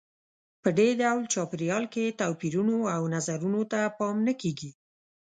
په دې ډول چاپېریال کې توپیرونو او نظرونو ته پام نه کیږي.